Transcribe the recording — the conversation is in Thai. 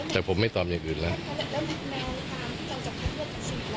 แต่ผมไม่ตอบอย่างอื่นแล้ว